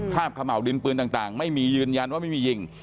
ขม่าวดินปืนต่างไม่มียืนยันว่าไม่มียิง